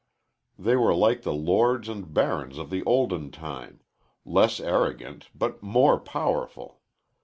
They were like the lords and barons of the olden time less arrogant but more powerful.